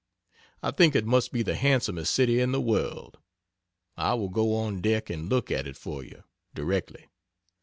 I think it must be the handsomest city in the world. I will go on deck and look at it for you, directly.